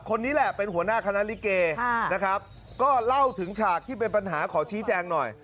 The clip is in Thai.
คนนี้แหละเป็นหัวหน้าคณะลิเกนะครับก็เล่าถึงฉากที่เป็นปัญหาขอชี้แจงหน่อย